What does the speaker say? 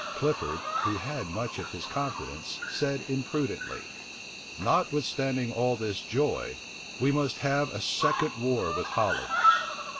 Clifford, who had much of his confidence, said imprudently, "Notwithstanding all this joy, we must have a second war with Holland."